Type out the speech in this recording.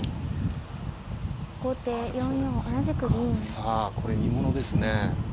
さあこれ見ものですね。